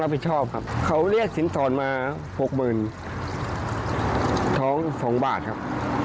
รับผิดชอบครับเขาเรียกสินสอนมา๖๐๐๐๐บาทท้อง๒บาทครับ